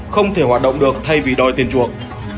không thể hoạt động được thay vì đòi tiền chuộc